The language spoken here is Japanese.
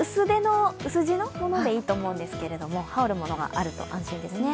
薄手のものでいいと思うんですけど羽織るものがあると安心ですね。